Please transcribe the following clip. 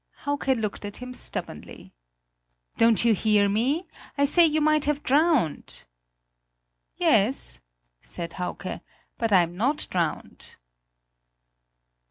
Hauke looked at him stubbornly. "Don't you hear me? I say, you might have drowned!" "Yes," said Hauke, "but I'm not drowned!"